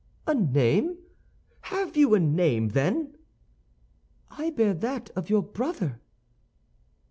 "A name? Have you a name, then?" "I bear that of your brother."